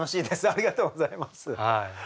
ありがとうございます。